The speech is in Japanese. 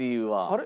あれ？